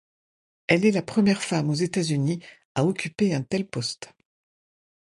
Elle est la première femme aux États-Unis à occuper un tel poste.